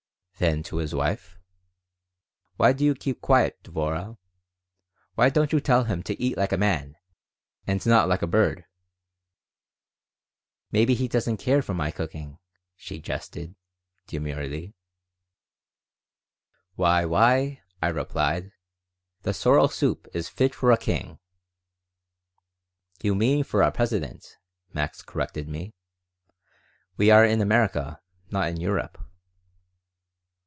Then to his wife: "Why do you keep quiet, Dvorah? Why don't you tell him to eat like a man and not like a bird?" "Maybe he doesn't care for my cooking," she jested, demurely "Why, why," I replied. "The sorrel soup is fit for a king." "You mean for a president," Max corrected me. "We are in America, not in Europe."